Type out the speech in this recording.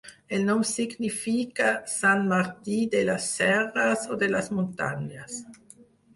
El nom significa Sant Martí de les serres o de les muntanyes.